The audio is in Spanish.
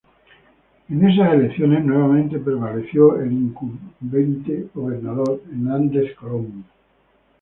En esas elecciones nuevamente prevaleció el incumbente gobernador Hernández Colón.